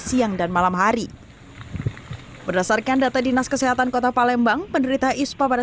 siang dan malam hari berdasarkan data dinas kesehatan kota palembang penderita ispa pada